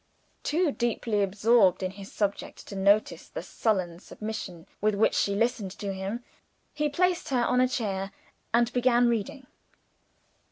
Too deeply absorbed in his subject to notice the sullen submission with which she listened to him, he placed her on a chair, and began reading.